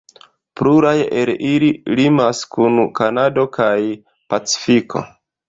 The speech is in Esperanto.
Pluraj el ili limas kun Kanado kaj Pacifiko.